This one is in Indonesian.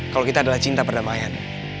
kalau kita adalah cinta perdamaian